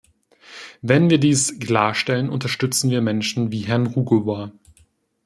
Wenn wir dies klarstellen, unterstützen wir Menschen wie Herrn Rugova.